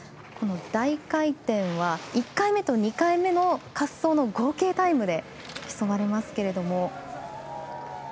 大回転は１回目と２回目の滑走の合計タイムで競われますけれども。